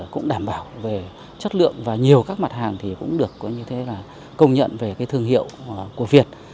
cũng đảm bảo về chất lượng và nhiều các mặt hàng cũng được công nhận về thương hiệu của việt